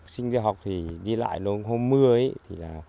sinh đi học thì đi lại nó hôm mưa ấy